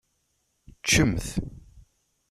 Ččemt.